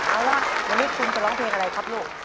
เอาล่ะวันนี้คุณจะร้องเพลงอะไรครับลูก